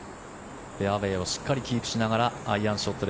フェアウェーをしっかりキープしながらアイアンショットで